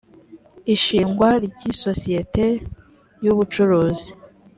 ishingwa ry isosiyete y ubucuruzi